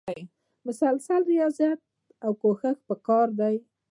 مسلسل ریاضت او کوښښ پکار دی.